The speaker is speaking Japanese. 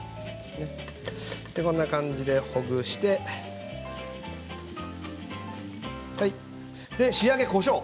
こんな感じでほぐして仕上げこしょうを。